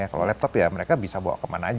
kalau laptop ya mereka bisa bawa ke mana aja gitu